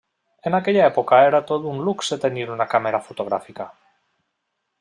En aquella època era tot un luxe tenir una càmera fotogràfica.